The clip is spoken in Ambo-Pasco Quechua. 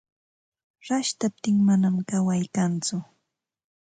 Rashtaptin manam kaway kantsu.